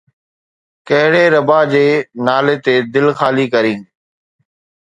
ڪهڙي ربا جي نالي تي دل خالي ڪرين؟